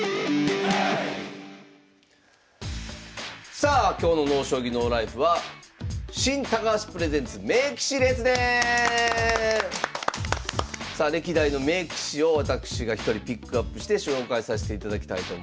さあ今日の「ＮＯ将棋ＮＯＬＩＦＥ」はさあ歴代の名棋士を私が１人ピックアップして紹介させていただきたいと思います。